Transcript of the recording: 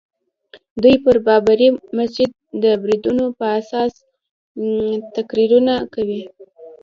دوی پر بابري مسجد د بریدونو په اساس تقریرونه کوي.